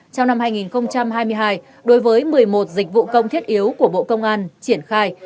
trong năm hai nghìn hai mươi hai đối với một mươi một dịch vụ công thiết yếu của bộ công an triển khai